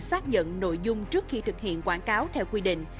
xác nhận nội dung trước khi thực hiện quảng cáo theo quy định